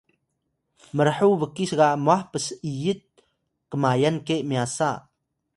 mrhuw bkis ga mwah ps’yit kmayan ke myasa